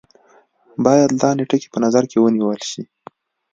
باید لاندې ټکي په نظر کې ونیول شي.